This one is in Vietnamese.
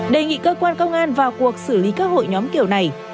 đề nghị cơ quan công an vào cuộc xử lý các hội nhóm kiểu này